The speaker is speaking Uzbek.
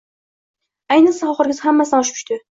Ayniqsa oxirgisi hammasidan oshib tushdi